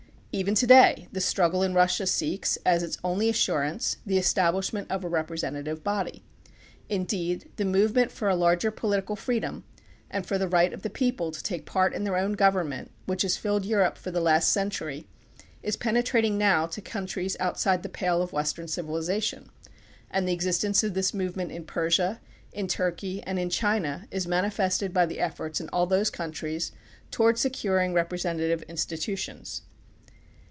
Even to day the struggle in Russia seeks, as its only assurance, the establishment of a representa tive body. Indeed, the movement for a larger political freedom and for the right of the people to take part in their own government, which has filled Europe for the last century, is penetrating now to countries out side the pale of Western civilization, and the existence of this movement in Persia, in Turkey, and in China is manifested by the efforts in all these countries to ward securing representative institutions.